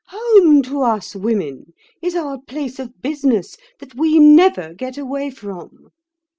Home to us women is our place of business that we never get away from."